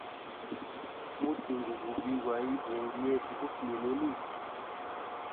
Mutingi gubi gwaibungo yetu gofumina huni.